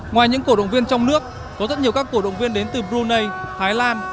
ngoài những cổ động viên trong nước có rất nhiều các cổ động viên đến từ brunei thái lan